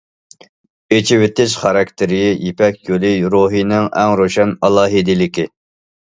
ئېچىۋېتىش خاراكتېرى يىپەك يولى روھىنىڭ ئەڭ روشەن ئالاھىدىلىكى.